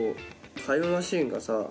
「タイムマシン」がさ